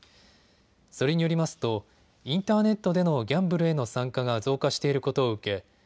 それによりますとインターネットでのギャンブルへの参加が増加していることを受け